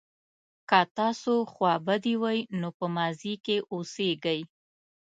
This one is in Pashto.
که تاسو خوابدي وئ نو په ماضي کې اوسیږئ.